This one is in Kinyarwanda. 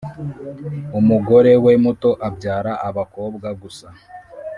Umugore we muto abyara abakobwa gusa